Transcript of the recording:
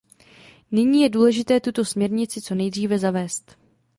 Nyní je důležité tuto směrnici co nejdříve zavést.